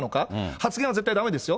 発言は絶対だめですよ。